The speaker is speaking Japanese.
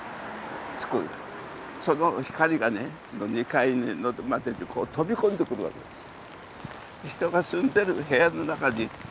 その光がね２階まで飛び込んでくるわけですよ。